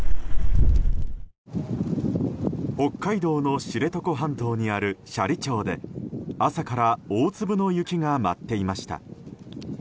北海道の知床半島にある斜里町で朝から大粒の雪が舞っていました。